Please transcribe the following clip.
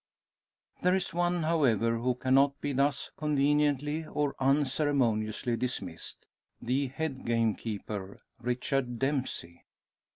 There is one, however, who cannot be thus conveniently, or unceremoniously, dismissed the head gamekeeper, Richard Dempsey.